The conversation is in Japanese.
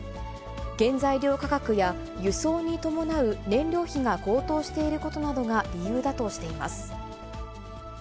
原材料価格や輸送に伴う燃料費が高騰していることなどが理由だとしています。